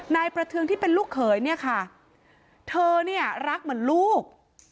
นายประเทืองที่เป็นลูกเขยเนี่ยค่ะเธอเนี่ยรักเหมือนลูก